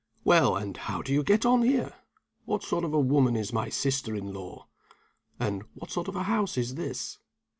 Well, and how do you get on here? What sort of a woman is my sister in law? and what sort of a house is this?"